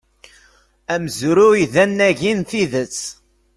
Amezruy d anagi n tidet.